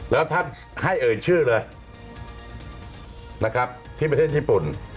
แล้วท่านให้เอ่ยชื่อเลยนะครับที่ประเทศญี่ปุ่น